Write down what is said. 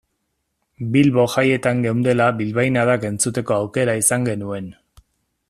Bilbo jaietan geundela bilbainadak entzuteko aukera izan genuen.